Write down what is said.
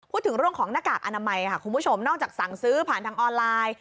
พูดถึงเรื่องของหน้ากากอนามัยค่ะคุณผู้ชมนอกจากสั่งซื้อผ่านทางออนไลน์